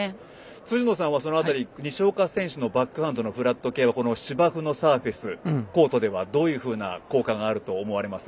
辻野さんはその辺り西岡選手のバックハンドのフラット系は芝生のサーフェス、コートではどういうふうな効果があると思われます？